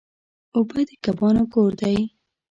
اوبه د کبانو کور دی.